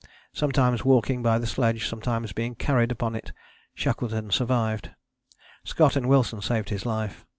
Sometimes walking by the sledge, sometimes being carried upon it, Shackleton survived: Scott and Wilson saved his life.